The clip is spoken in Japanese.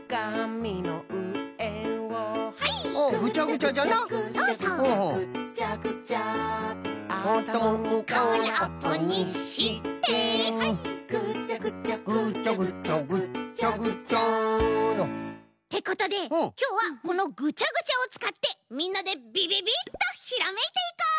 「ぐちゃぐちゃぐちゃぐちゃぐっちゃぐちゃ」てことできょうはこのぐちゃぐちゃをつかってみんなでビビビッとひらめいていこう！